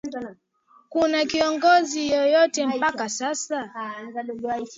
kuna kiongozi yeyote mpaka sasa